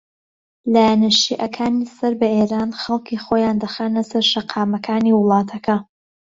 لایەنە شیعەکانی سەر بە ئێران خەڵکی خۆیان دەخەنە سەر شەقامەکانی وڵاتەکە